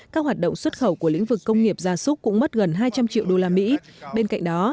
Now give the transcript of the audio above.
các hoạt động xuất khẩu của lĩnh vực công nghiệp gia súc cũng mất gần hai trăm linh triệu usd bên cạnh đó